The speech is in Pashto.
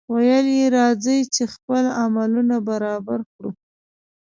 ویل یې راځئ! چې خپل عملونه برابر کړو.